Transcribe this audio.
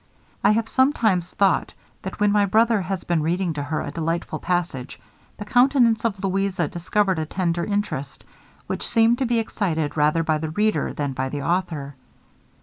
I have sometimes thought that when my brother has been reading to her a delightful passage, the countenance of Louisa discovered a tender interest, which seemed to be excited rather by the reader than by the author.